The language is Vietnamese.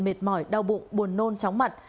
mệt mỏi đau bụng buồn nôn chóng mặt